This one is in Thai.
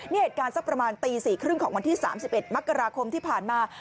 นี่เหตุการณ์สักประมาณตี๔๓๐ของวันที่๓๑มกราคมที่ผ่านมา